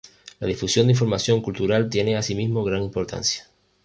La difusión de información cultural tiene asimismo gran importancia.